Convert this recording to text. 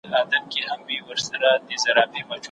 استاد له شاګرد څخه وپوښتل چي د څيړني شعور یې څه دی.